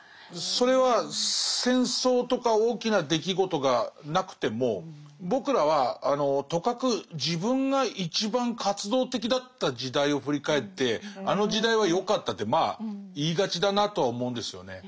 それは戦争とか大きな出来事がなくても僕らはあのとかく自分が一番活動的だった時代を振り返ってあの時代はよかったってまあ言いがちだなとは思うんですよね。